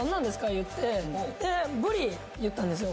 言ってでぶり言ったんですよ